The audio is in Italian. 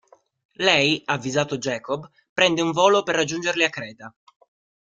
Lei, avvisato Jacob, prende un volo per raggiungerli a Creta.